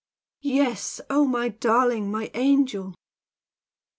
Yes! Oh, my darling! my angel!"